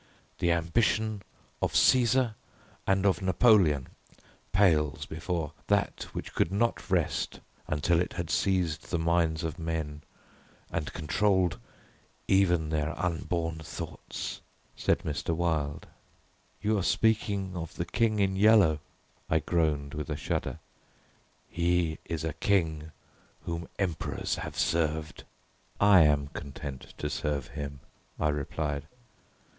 "The ambition of Caesar and of Napoleon pales before that which could not rest until it had seized the minds of men and controlled even their unborn thoughts," said Mr. Wilde. "You are speaking of the King in Yellow," I groaned, with a shudder. "He is a king whom emperors have served." "I am content to serve him," I replied.